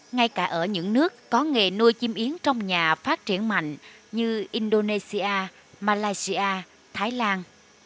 ngay cả ở những nước có nghề nuôi chim yến trong nhà phát triển mạnh như indonesia malaysia thái lan